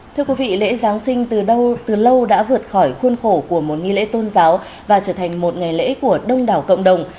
thưa quý vị lễ giáng sinh từ lâu đã vượt khỏi khuôn khổ của một nghi lễ tôn giáo và trở thành một ngày lễ của đông đảo cộng đồng